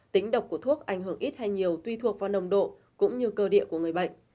tính độc của thuốc ảnh hưởng ít hay nhiều tùy thuộc vào nồng độ cũng như cơ địa của người bệnh